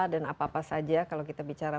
dan apa apa saja kalau kita bicara